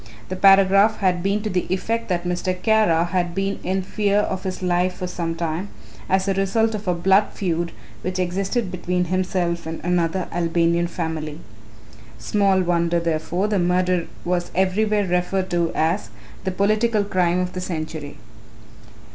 The paragraph had been to the effect that Mr. Kara had been in fear of his life for some time, as a result of a blood feud which existed between himself and another Albanian family. Small wonder, therefore, the murder was everywhere referred to as "the political crime of the century."